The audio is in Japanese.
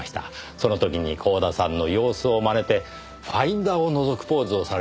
その時に光田さんの様子をまねてファインダーをのぞくポーズをされていました。